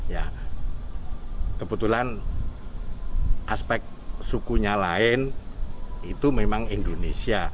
ya kebetulan aspek sukunya lain itu memang indonesia